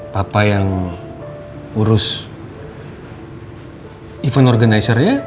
papa yang urus event organizer nya